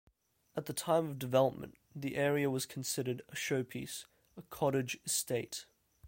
At the time of development, the area was considered 'a showpiece, a cottage estate'.